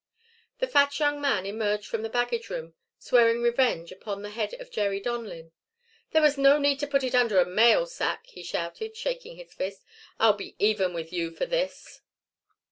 The fat young man emerged from the baggage room, swearing revenge upon the head of Jerry Donlin. "There was no need to put it under a mail sack!" he shouted, shaking his fist. "I'll be even with you for this."